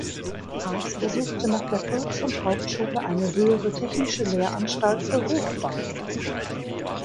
Haas besuchte nach der Volks- und Hauptschule eine Höhere Technische Lehranstalt für Hochbau.